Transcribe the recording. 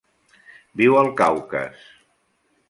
Viu al Caucas.